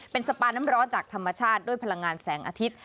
เป็นสปาน้ำร้อนจากธรรมชาติด้วยพลังงานแสงอาทิตย์